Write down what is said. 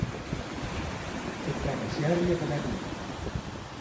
Ik prakkesearje der net oer!